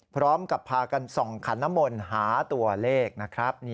พร้อมกับพากันส่องขันนมลหาตัวเลขนะครับ